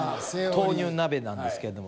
豆乳鍋なんですけれども。